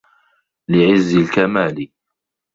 لِعِزِّ الْكَمَالِ